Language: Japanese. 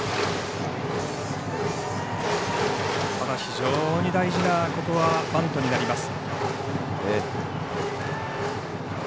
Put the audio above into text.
非常に大事なバントになります。